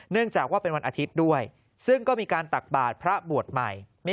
จากว่าเป็นวันอาทิตย์ด้วยซึ่งก็มีการตักบาทพระบวชใหม่